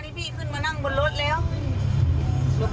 นี่ขึ้นมาอาจเหมือนงานเสื้อ